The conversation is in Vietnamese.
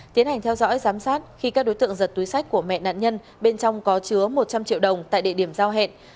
tiến hành theo dõi giám sát khi các đối tượng giật túi sách của mẹ nạn nhân bên trong có chứa một trăm linh triệu đồng tại địa điểm giao hẹn